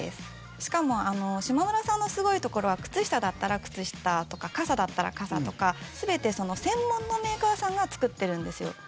しかもしまむらさんのすごいところは靴下だったら靴下とか傘だったら傘とか全て専門のメーカーさんが作ってるんですよ。